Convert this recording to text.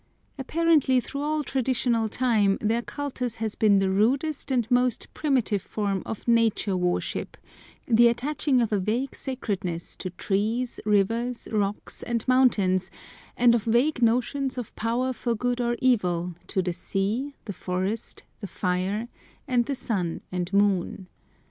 Apparently through all traditional time their cultus has been the rudest and most primitive form of nature worship, the attaching of a vague sacredness to trees, rivers, rocks, and mountains, and of vague notions of power for good or evil to the sea, the forest, the fire, and the sun and moon.